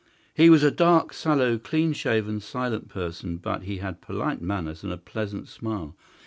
He was a dark, sallow, clean shaven, silent person; but he had polite manners and a pleasant smile.